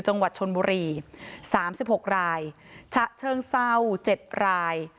จังหวัดชนบุรี๓๖รายฉะเชิงเศร้า๗ราย